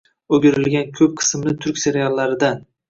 O‘girilgan ko‘p qismli turk seriallaridan.